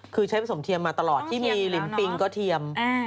คือใช้ผสมเทียมมาตลอดที่มีลิ้นปิงก็เทียม